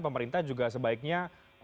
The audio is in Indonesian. pemerintah juga sebaiknya